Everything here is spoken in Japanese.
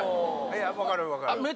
いや分かる分かる。